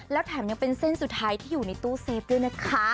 แล้วแถมยังเป็นเส้นสุดท้ายที่อยู่ในตู้เซฟด้วยนะคะ